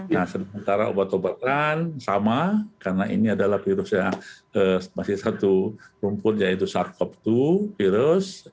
nah sementara obat obatan sama karena ini adalah virus yang masih satu rumput yaitu sars cov dua virus